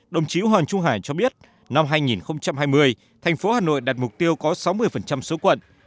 đồng chí hoàng trung hải cho biết năm hai nghìn hai mươi thành phố hà nội đặt mục tiêu có sáu mươi số quận